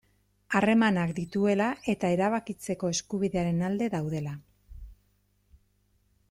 Harremanak dituela eta erabakitzeko eskubidearen alde daudela.